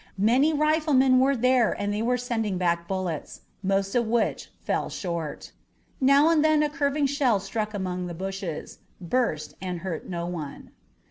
Many riflemen were there and they were sending back bullets, most of which fell short. Now and then a curving shell struck among the bushes, burst, and hurt no one.